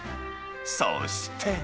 そして。